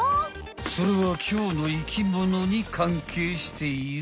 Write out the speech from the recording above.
それはきょうの生きものにかんけいしている。